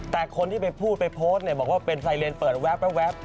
แต่คนที่ไปพูดไปโพสต์เนี่ยบอกว่าเป็นไซเลนเปิดแว๊บ